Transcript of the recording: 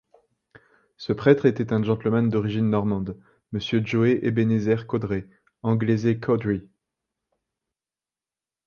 Ce prêtre était un gentleman d’origine normande, monsieur Joë Ebenezer Caudray, anglaisé Cawdry.